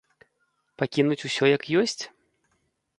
Пакінуць усё як ёсць?